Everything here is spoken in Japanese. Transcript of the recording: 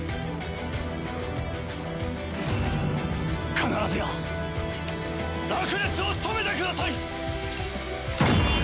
必ずやラクレスを仕留めてください！